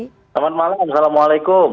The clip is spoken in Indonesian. selamat malam assalamualaikum